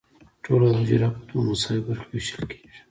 ټوله حجره په دوه مساوي برخو ویشل کیږي.